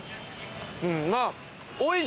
うんまぁ。